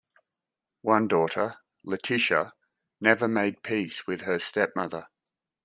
One daughter, Letitia, never made peace with her stepmother.